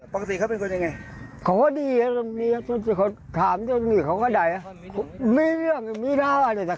ปกติเขาเป็นคนยังไงเขาก็ดีอ่ะมีอ่ะถ้าเจ้าคนถามเจ้าคนมีเขาก็ใดอ่ะมีเรื่องมีราวอะไรแต่ครั้ง